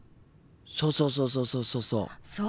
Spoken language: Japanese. そうそうそうそうそうそうそう！